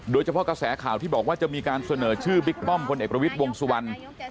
โดยเฉพาะกระแสข่าวที่บอกว่าจะมีการเสนอชื่อบิ๊กป้อมพลเอกประวิทย์วงสุวรรณ